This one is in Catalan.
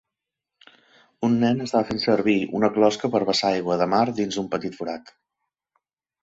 Un nen estava fent servir una closca per vessar aigua de mar dins un petit forat.